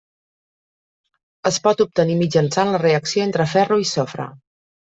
Es pot obtenir mitjançant la reacció entre ferro i sofre.